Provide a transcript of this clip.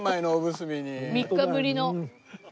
３日ぶりの。